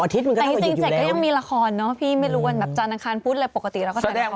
แต่ที่สิงห์เจกต์ก็ยังมีละครพี่ไม่รู้ว่าแบบจานอาคารพุทธปกติเราก็ถ่ายละคร